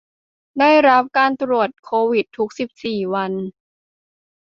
ได้รับการตรวจโควิดทุกสิบสี่วัน